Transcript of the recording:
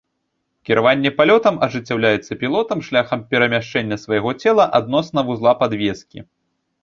Кіраванне палётам ажыццяўляецца пілотам шляхам перамяшчэння свайго цела адносна вузла падвескі.